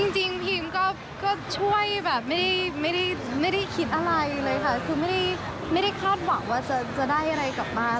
จริงพิมก็ช่วยแบบไม่ได้คิดอะไรเลยค่ะคือไม่ได้คาดหวังว่าจะได้อะไรกลับมา